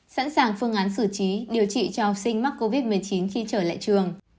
sẵn sàng phương án xử trí điều trị cho học sinh mắc covid một mươi chín khi trở lại trường